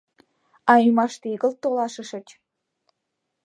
— А ӱмаште игылт толашышыч.